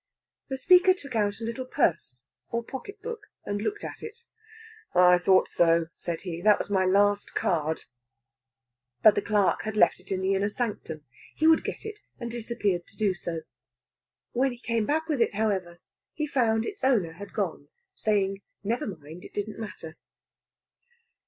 The speaker took out a little purse or pocket book, and looked in it. "I thought so," said he; "that was my last card." But the clerk had left it in the inner sanctum. He would get it, and disappeared to do so. When he came back with it, however, he found its owner had gone, saying never mind, it didn't matter.